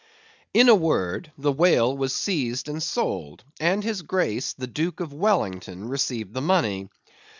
In a word, the whale was seized and sold, and his Grace the Duke of Wellington received the money.